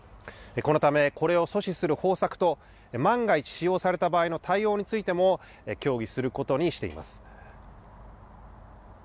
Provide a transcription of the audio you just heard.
このため、これを阻止する方策と、万が一使用された場合の対応についても、協議することにしています。